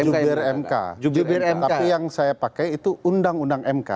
tapi yang saya pakai itu undang undang mk